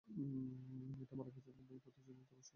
মেয়েটা মারা গেছে তার ভাই প্রতিশোধ নিতে অবশ্যই আসবে?